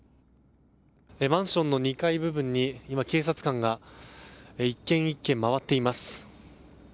マンションの２階部分で今、警察官が１軒１軒、回っています。